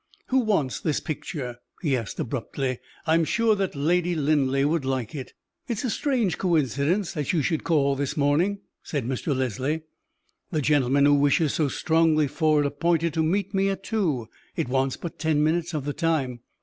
"Who wants this picture?" he asked, abruptly. "I am sure that Lady Linleigh would like it." "It is a strange coincidence that you should call this morning," said Mr. Leslie; "the gentleman who wishes so strongly for it appointed to meet me at two it wants but ten minutes of the time.